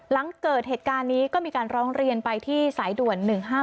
หลังเกิดเหตุการณ์นี้ก็มีการร้องเรียนไปที่สายด่วน๑๕๗